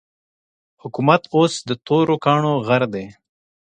حکومت اوس د تورو کاڼو غر دی.